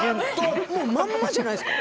もうまんまじゃないですか。